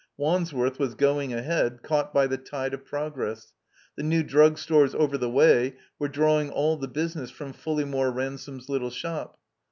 Wandsworth was going ahead, caught by the tide of progress. The new Drug Stores over the way were drawing all the business from Fulleymore Ransome's little shop.